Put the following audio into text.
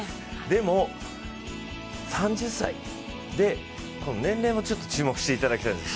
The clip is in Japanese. でも、３０歳で、年齢も注目していただきたいんです。